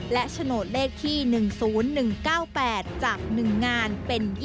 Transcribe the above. และโฉนดเลขที่๑๐๑๙๘จาก๑งานเป็น๒๒